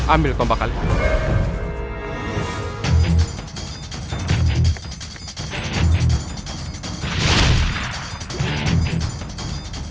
ambil kompak kalian